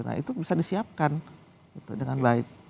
nah itu bisa disiapkan dengan baik